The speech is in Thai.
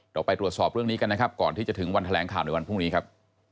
เราไปตรวจสอบเรื่องนี้กันนะครับก่อนที่จะถึงวันแถลงข่าวในวันพรุ่งนี้ครับ